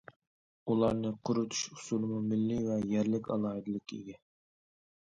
ئۇلارنى قۇرۇتۇش ئۇسۇلىمۇ مىللىي ۋە يەرلىك ئالاھىدىلىككە ئىگە.